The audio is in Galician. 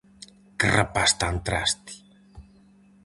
Que rapaz tan traste!